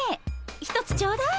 １つちょうだい。